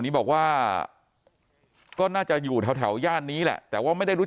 นี้บอกว่าก็น่าจะอยู่แถวย่านนี้แหละแต่ว่าไม่ได้รู้